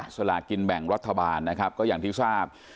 สลากินแบ่งรัฐบาลนะครับก็อย่างที่ทราบ